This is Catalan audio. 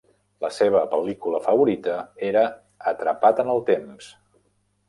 La seva pel·lícula favorita era Atrapat en el temps.